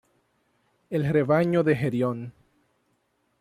El rebaño de Gerión.